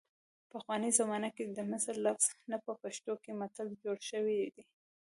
پخوانۍ زمانه کې د مثل لفظ نه په پښتو کې متل جوړ شوی دی